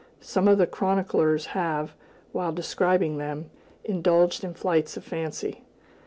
Some of the chroniclers have, while describing them, indulged in flights of fancy.